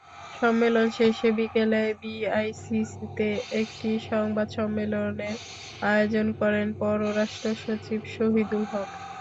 সম্মেলন শেষে বিকেলে বিআইসিসিতে একটি সংবাদ সম্মেলনের আয়োজন করেন পররাষ্ট্রসচিব শহিদুল হক।